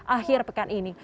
akhir pekan ini